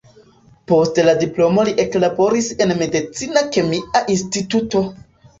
Post la diplomo li eklaboris en medicina-kemia instituto.